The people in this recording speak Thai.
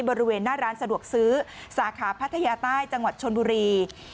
บริเวณหน้าร้านสะดวกซื้อสาขาพัทยาใต้จังหวัดชนบุรี